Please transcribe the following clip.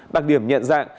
đặc điểm nhận dạng